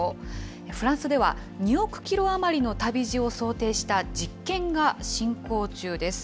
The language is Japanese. フランスでは、２億キロ余りの旅路を想定した実験が進行中です。